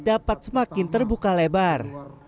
dapat semakin terbuka lebar